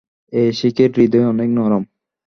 এই শিখের হৃদয় অনেক নরম।